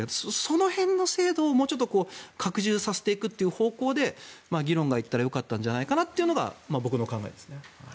その辺の制度をもうちょっと拡充させていくという方向で議論が行ったらよかったんじゃないかというのが僕の考えです。